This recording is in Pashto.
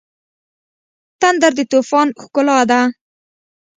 تندر د طوفان ښکلا ده.